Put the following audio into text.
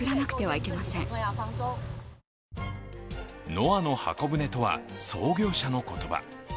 ノアの方舟とは創業者の言葉。